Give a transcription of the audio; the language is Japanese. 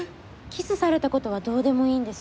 キスされた事はどうでもいいんです。